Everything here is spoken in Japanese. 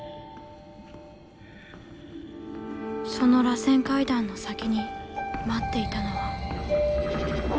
その螺旋階段の先に待っていたのは。